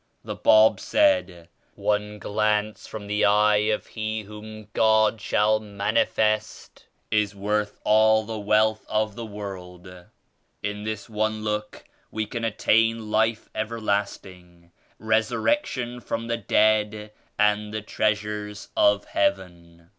The Bab said 'One glance from the Eye of He whom God shall Manifest is worth all the wealth of the world.' In this one look we can attain life ever lasting, resurrection from the dead and the treas ures of Heaven."